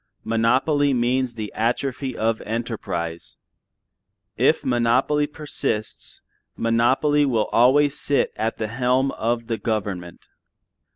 Monopoly means the atrophy of enterprise. If monopoly persists, monopoly will always sit at the helm of the government.